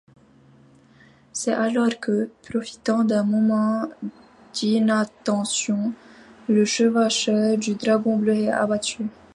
C'est alors que, profitant d'un moment d'inattention, le Chevaucheur du Dragon bleu est abattu.